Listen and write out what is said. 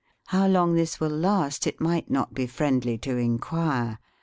How long this will last it might not be friendly to inquire.